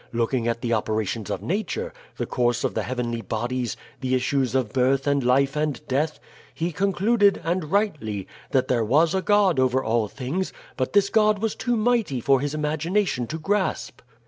Looking at the operations of nature the course of the heavenly bodies, the issues of birth and life and death he concluded, and rightly, that there was a God over all things, but this God was too mighty for his imagination to grasp.